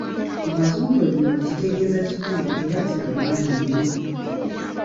Mu bazungu ebimuli kitegeeza kikulu era kya maanyi nnyo.